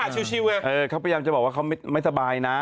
ที่ฉีวเนี่ยเขาพยายามจะบอกว่าเขามั้ยไม่สบายนะ